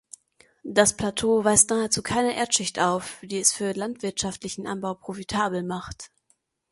Das Plateau weist nahezu keine Erdschicht auf, die es für landwirtschaftlichen Anbau profitabel macht.